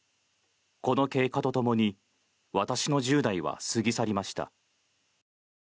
この経過とともに私の１０代は過ぎ去りました。